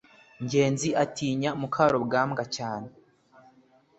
ngenzi atinya mukarugambwa cyane